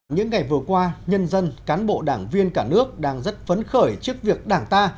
những ngày vừa qua nhân dân cán bộ đảng viên cả nước đang rất phấn khởi trước việc đảng ta